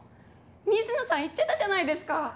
水野さん言ってたじゃないですか。